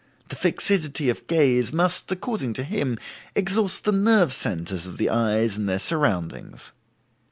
The fixity of gaze must, according to him, exhaust the nerve centers of the eyes and their surroundings.